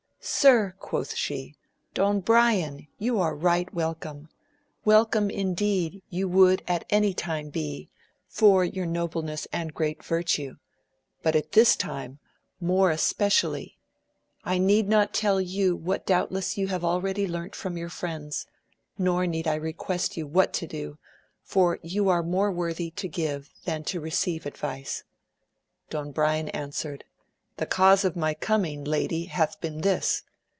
Sir, quoth she, Don Brian, you are right welcome ! wel come indeed you would at any time be, for your nobleness and great virtue; but at this time more 6 — 2 84 AMADIS OF GAUL. especially ! I need not tell you what doubtless yon have already learnt from your friends, nor need I request you what to do, for you are more worthy to give than to receive advice. Don Brian answered, the cause of my coming lady hath been this.